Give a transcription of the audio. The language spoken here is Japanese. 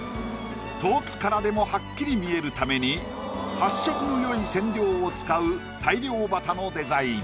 遠くからでもはっきり見えるために発色のよい染料を使う大漁旗のデザイン。